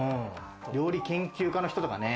料理研究家の人とかね。